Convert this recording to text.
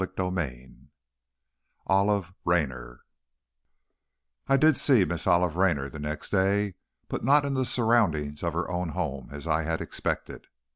CHAPTER V Olive Raynor I did see Miss Olive Raynor the next day, but not in the surroundings of her own home as I had expected.